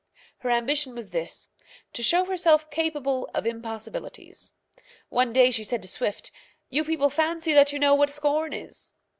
Her ambition was this to show herself capable of impossibilities. One day she said to Swift, "You people fancy that you know what scorn is."